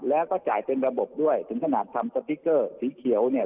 แล้วก็จ่ายเป็นระบบด้วยถึงขนาดทำสติ๊กเกอร์สีเขียวเนี่ย